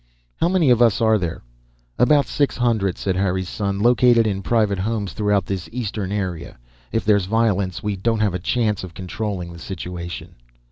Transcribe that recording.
"How many of us are there?" "About six hundred," said Harry's son. "Located in private homes throughout this eastern area. If there's violence, we don't have a chance of controlling the situation."